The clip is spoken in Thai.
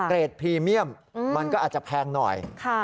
เกรดพรีเมียมมันก็อาจจะแพงหน่อย